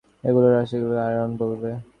এগুলো রিসাইকেলযোগ্য, অ্যারন বলবে।